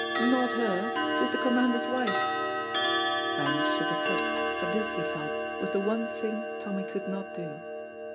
"Not her, she's the Commander's wife." Ben shook his head, for this, he felt, was the one thing Tommy could not do.